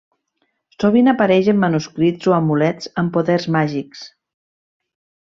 Sovint apareix en manuscrits o amulets amb poders màgics.